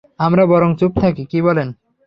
আমরা বরং চুপ থাকি, কি বলেন?